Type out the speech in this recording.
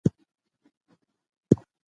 که ښارونه بې پلانه لوی سي نو ګډوډي رامنځته کیږي.